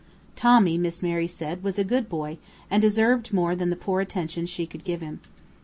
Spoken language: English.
Tommy, Miss Mary said, was a good boy, and deserved more than the poor attention she could give him.